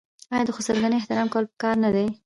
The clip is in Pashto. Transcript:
آیا د خسرګنۍ احترام کول پکار نه دي؟